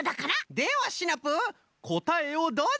ではシナプーこたえをどうぞ！